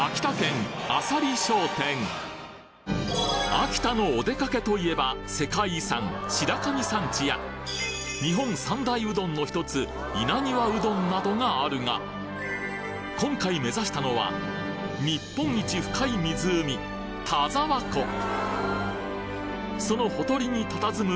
秋田のおでかけといえば日本三大うどんの１つ稲庭うどんなどがあるが今回目指したのは日本一深い湖そのほとりに佇む